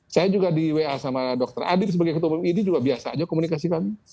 saya juga di wa sama dr adit sebagai ketua umum idi juga biasa aja komunikasi kami